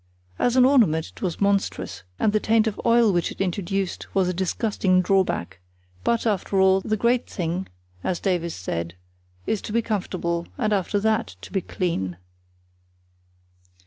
As an ornament it was monstrous, and the taint of oil which it introduced was a disgusting drawback; but, after all, the great thing—as Davies said—is to be comfortable, and after that to be clean.